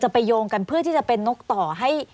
จะมาจับผิดเพื่อส่งข้อมูลแย่